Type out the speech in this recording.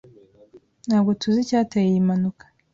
Ntabwo tuzi icyateye iyi mpanuka.